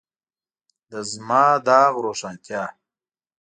د زما داغ روښانتیا.